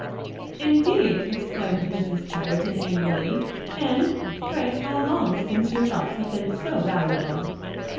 "Indeed!" exclaimed Mrs. Chatterton angrily, "and pray how long since your thoughts have been so valuable?"